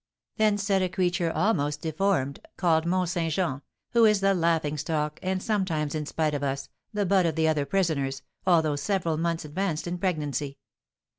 then said a creature almost deformed, called Mont Saint Jean, who is the laughing stock and, sometimes in spite of us, the butt of the other prisoners, although several months advanced in pregnancy.